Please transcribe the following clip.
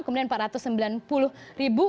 kemudian empat ratus sembilan puluh ribu